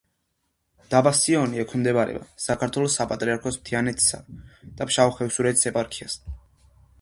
დაბა სიონი ექვემდებარება საქართველოს საპატრიარქოს თიანეთისა და ფშავ-ხევსურეთის ეპარქიას.